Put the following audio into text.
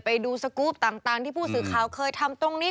ไปดูสกรูปต่างที่ผู้สื่อข่าวเคยทำตรงนี้